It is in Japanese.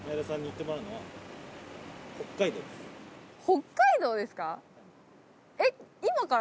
北海道ですか？